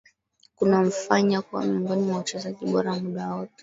kunamfanya kuwa miongoni mwa wachezaji bora wa muda wote